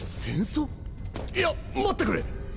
いや待ってくれ！